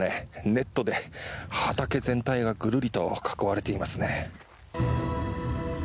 ネットで畑全体がぐるりと囲われていますね。